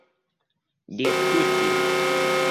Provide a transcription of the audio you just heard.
diskuti